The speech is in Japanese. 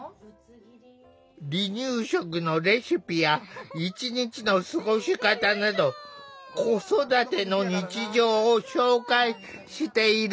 離乳食のレシピや一日の過ごし方など子育ての日常を紹介している。